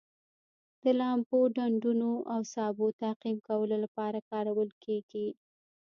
د لامبلو ډنډونو او سابو تعقیم کولو لپاره کارول کیږي.